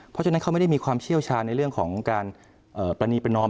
เพราะฉะนั้นเขาไม่ได้มีความเชี่ยวชาญในเรื่องของการปรณีประนอม